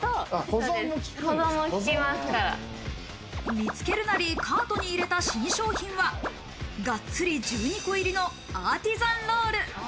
見つけるなりカートに入れた新商品は、ガッツリ１２個入りのアーティザンロール。